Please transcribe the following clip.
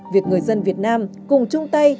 việc người dân việt nam cùng chung tay